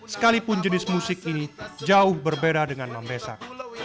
sekalipun jenis musik ini jauh berbeda dengan membesak